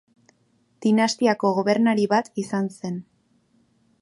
Dinastiako gobernari bat izan zen.